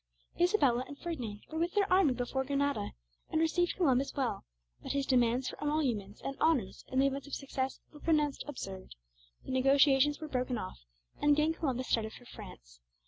Isabella and Ferdinand were with their army before Granada, and received Columbus well; but his demands for emoluments and honors in the event of success were pronounced absurd; the negotiations were broken off, and again Columbus started for France.